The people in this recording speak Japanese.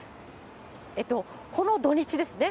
えっと、この土日ですね。